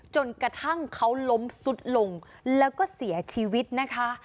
จนกระทั่งเขาล้มสุดลงแล้วก็เสียชีวิตนะคะ